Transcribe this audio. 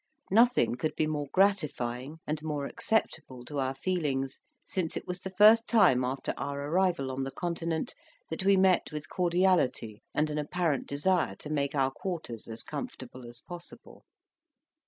Nothing could be more gratifying and more acceptable to our feelings, since it was the first time after our arrival on the Continent that we met with cordiality and an apparent desire to make our quarters as comfortable as possible.